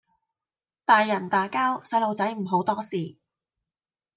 大人打架細路仔唔好多事